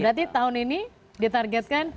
berarti tahun ini di targetnya